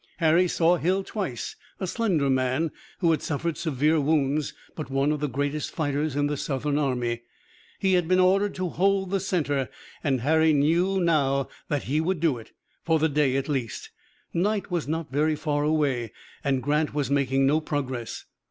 Harry saw Hill twice, a slender man, who had suffered severe wounds but one of the greatest fighters in the Southern army. He had been ordered to hold the center, and Harry knew now that he would do it, for the day at least. Night was not very far away, and Grant was making no progress.